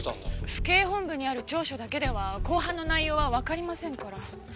府警本部にある調書だけでは公判の内容はわかりませんから。